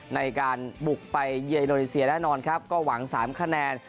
ในการบุกไปเยียมอนิเซียแน่นอนครับก็หวังสามขนาด